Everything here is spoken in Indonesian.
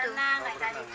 berenang kayak tadi